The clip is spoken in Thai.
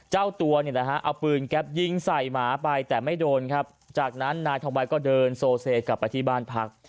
เจ้าตัวเนี่ยนะฮะเอาปืนแก๊ปยิงใส่หมาไปแต่ไม่โดนครับจากนั้นนายทองใบก็เดินโซเซกลับไปที่บ้านพัก